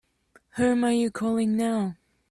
Whom are you calling now?